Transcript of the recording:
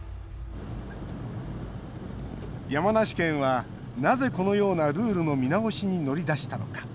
山梨県は、なぜこのようなルールの見直しに乗り出したのか。